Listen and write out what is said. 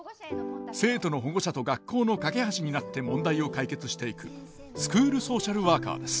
生徒の保護者と学校の架け橋になって問題を解決していくスクールソーシャルワーカーです。